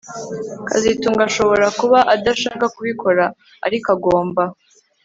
kazitunga ashobora kuba adashaka kubikora ariko agomba